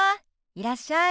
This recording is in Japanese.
いらっしゃい。